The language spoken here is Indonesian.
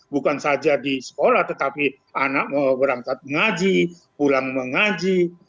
bukan saja di sekolah tetapi anak mau berangkat mengaji pulang mengaji